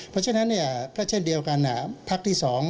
เพราะฉะนั้นเพราะเช่นเดียวกันภาคที่๒